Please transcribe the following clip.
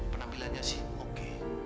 penampilannya sih oke